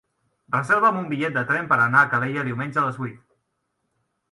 Reserva'm un bitllet de tren per anar a Calella diumenge a les vuit.